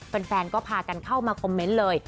แฟนก็พากันเข้ามาคอมเมนต์เลย